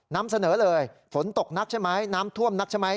นำเสนอเลยฝนตกนักใช่ไหมน้ำท่วมนักใช่ไหม